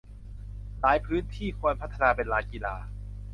หลายพื้นที่ควรพัฒนาเป็นลานกีฬา